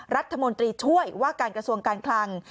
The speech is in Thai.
รัฐมนตรีช่วยว่าการกระทรวงการคลัง